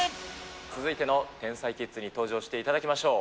続いての天才キッズに登場していただきましょう。